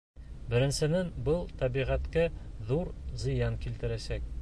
Беренсенән, был тәбиғәткә ҙур зыян килтерәсәк.